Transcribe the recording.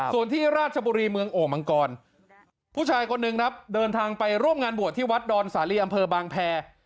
ส่วนที่ราชบุรีเมืองโอ่งมังกรผู้ชายคนหนึ่งครับเดินทางไปร่วมงานบวชที่วัดดอนสาลีอำเภอบางแพร